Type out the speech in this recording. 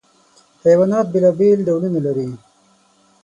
حیوانات بېلابېل ډولونه لري.